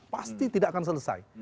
pasti tidak akan selesai